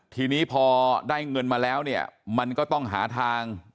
ทีนี้พอได้เงินมาแล้วเนี่ยมันก็ต้องหาทาง